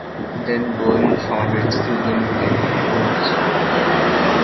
Then Berne founded Screwgun to get control of his work again.